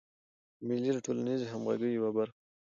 مېلې د ټولنیزي همږغۍ یوه برخه ده.